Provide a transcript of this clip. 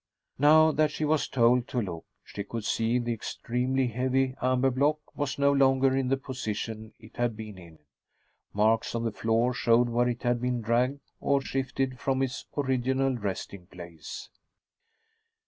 Now that she was told to look, she could see the extremely heavy amber block was no longer in the position it had been in. Marks on the floor showed where it had been dragged or shifted from its original resting place.